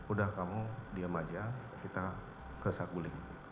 udah kamu diam aja kita ke saguling